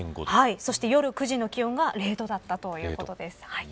そして夜９時の気温が０度だったということです。